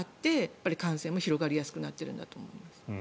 やっぱり感染も広がりやすくなっているんだと思います。